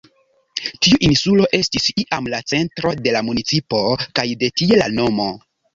Tiu insulo estis iam la centro de la municipo, kaj de tie la nomo.